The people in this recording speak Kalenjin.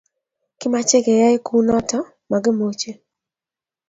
Kimache keyay kunoto, magimuchi